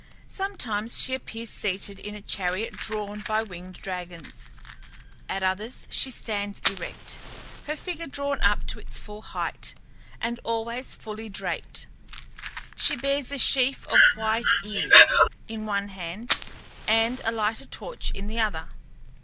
Sometimes she appears seated in a chariot drawn by winged dragons, at others she stands erect, her figure drawn up to its full height, and always fully draped; she bears a sheaf of wheat ears in one hand and a lighted torch in the other.